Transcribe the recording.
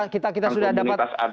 kita sudah dapat